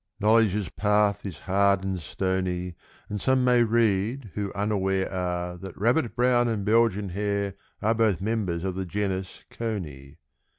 = Knowledge's path is hard and stony, And some may read who unaware are That rabbit brown and Belgian hare are Both members of the genus Coney.